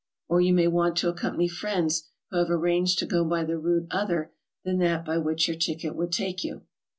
Or you may want to accompany friends who have arranged to go by the route other than that by which yoitr ticket would take you.